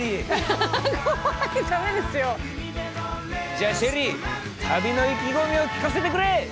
じゃあＳＨＥＬＬＹ旅の意気込みを聞かせてくれ！